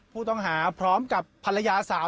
ผู้ต้องหาพร้อมกับภรรยาสาว